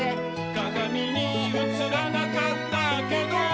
「かがみにうつらなかったけど」